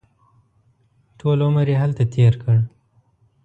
ټول عمر یې هلته تېر کړ.